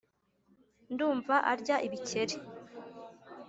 ndumva arya ibikeri.